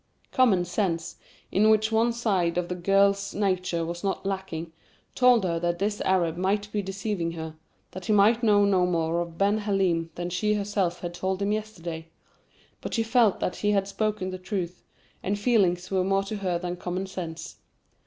Common sense, in which one side of the girl's nature was not lacking, told her that this Arab might be deceiving her, that he might know no more of Ben Halim than she herself had told him yesterday; but she felt that he had spoken the truth, and feelings were more to her than common sense.